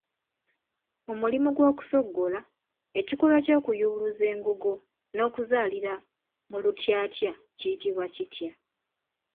Mu mulimu gw'okusogola, ekikolwa eky'okuyubuluza engogo n'okuzaalirira mu lutyatya kiyitibwa kitya?